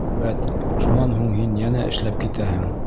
Үәт, шунан һуң һин йәнә эшләп китәһең...